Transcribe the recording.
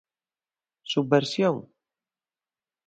Subversión!